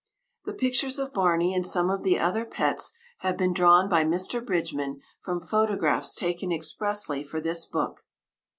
The pictures of Barney and some of the other pets have been drawn by Mr. Bridgman from photographs taken expressly for this book.